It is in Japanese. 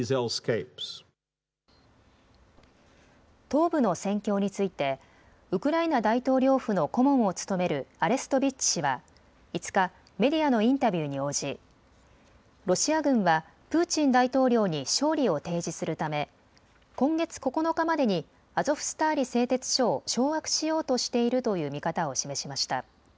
東部の戦況についてウクライナ大統領府の顧問を務めるアレストビッチ氏は５日、メディアのインタビューに応じロシア軍はプーチン大統領に勝利を提示するため今月９日までにアゾフスターリ製鉄所を掌握しようとしているという見方を示しました。